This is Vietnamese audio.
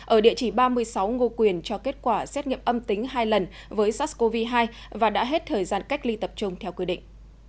ở địa chỉ ba mươi sáu ngô quyền cho kết quả xét nghiệm âm tính hai lần với sars cov hai và đã hết thời gian cách ly tập trung theo quy định